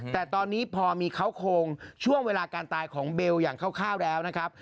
แต่ตอนนี้พอมีเขาโครงช่วงเวลาการตายของเบลอย่างคร่าวแล้วนะครับ